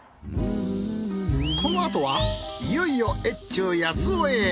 このあとはいよいよ越中八尾へ。